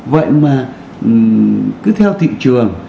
vậy mà cứ theo thị trường